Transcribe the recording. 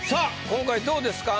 今回どうですか？